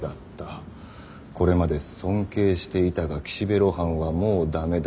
これまで尊敬していたが岸辺露伴はもうダメだ。